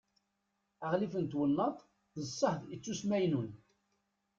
aɣlif n twennaḍt d ṣṣehd ittusmaynun